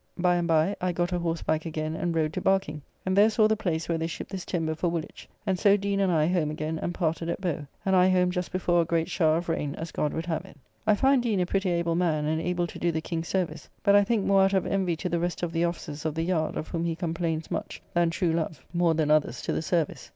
By and by I got a horseback again and rode to Barking, and there saw the place where they ship this timber for Woolwich; and so Deane and I home again, and parted at Bowe, and I home just before a great showre of rayne, as God would have it. I find Deane a pretty able man, and able to do the King service; but, I think, more out of envy to the rest of the officers of the yard, of whom he complains much, than true love, more than others, to the service.